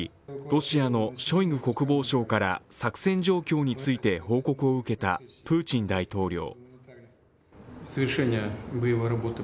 ロシアのショイグ国防相から作戦状況について報告を受けたプーチン大統領。